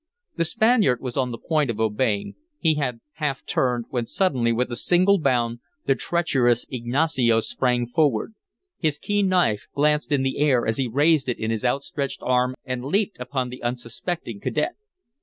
The Spaniard was on the point of obeying; he had half turned, when suddenly with a single bound the treacherous Ignacio sprang forward. His keen knife glanced in the air as he raised it in his outstretched arm and leaped upon the unsuspecting cadet.